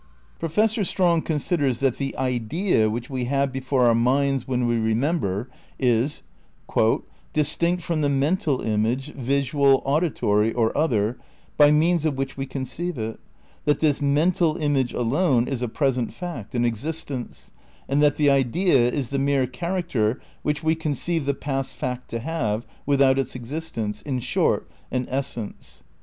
Professor Strong considers that the "idea" which we have before our minds when we remember is "distinct from the mental image, visual, auditory or other, by means of which we conceive it; that this mental image alone is a present fact, an existence, and that the idea is the mere character which we conceive the past fact to have, without its existence — in short, an essence."